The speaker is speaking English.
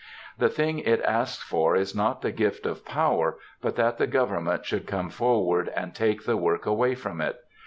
The thing it asks for is not the gift of power, but that the government should come forward and take the work away from it....